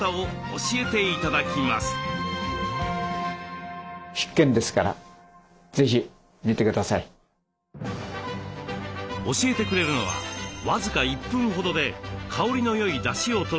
教えてくれるのは僅か１分ほどで香りのよいだしをとる方法。